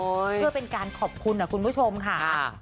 เพื่อเป็นการขอบคุณนะคุณผู้ชมค่ะ